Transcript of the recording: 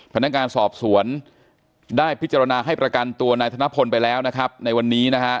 พนักงานสอบสวนได้พิจารณาให้ประกันตัวนายธนพลไปแล้วนะครับในวันนี้นะฮะ